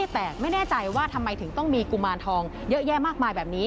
แต่ไม่แน่ใจว่าทำไมถึงต้องมีกุมารทองเยอะแยะมากมายแบบนี้